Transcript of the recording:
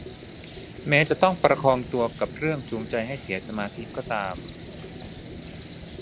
แม้จะต้องประคองตัวกับเรื่องจูงใจให้เสียสมาธิก็ตาม